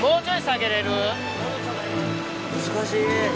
難しい。